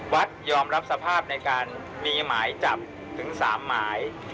ยอมรับสภาพในการมีหมายจับถึง๓หมาย